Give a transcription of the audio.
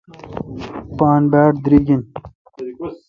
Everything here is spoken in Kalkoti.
پان باڑ دیریگ این۔